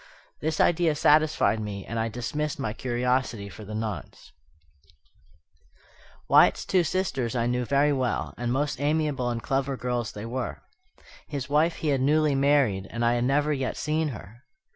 This idea satisfied me and I dismissed my curiosity for the nonce. Wyatt's two sisters I knew very well, and most amiable and clever girls they were. His wife he had newly married, and I had never yet seen her.